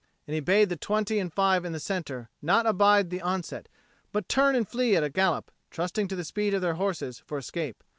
And he bade the twenty and five in the centre not abide the onset, but turn and flee at a gallop, trusting to the speed of their horses for escape.